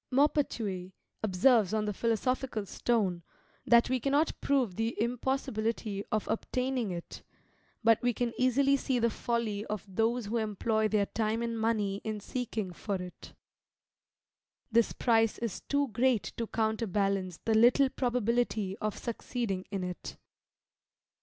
Maupertuis observes on the Philosophical Stone, that we cannot prove the impossibility of obtaining it, but we can easily see the folly of those who employ their time and money in seeking for it. This price is too great to counterbalance the little probability of succeeding in it.